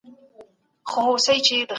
موږ به پخوانۍ تېروتني بيا تکرار نه کړو.